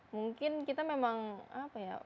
mungkin kita memang apa ya